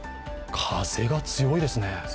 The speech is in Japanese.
風が強いですね。